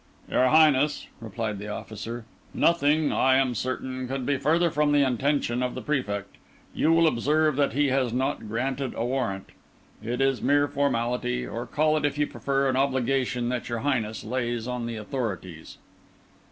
"Your Highness," replied the officer, "nothing, I am certain, could be further from the intention of the Prefect. You will observe that he has not granted a warrant. It is mere formality, or call it, if you prefer, an obligation that your Highness lays on the authorities."